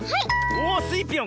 おスイぴょん。